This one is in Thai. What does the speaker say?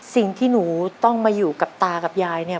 สิ่งที่หนูต้องมาอยู่กับตากับยายเนี่ย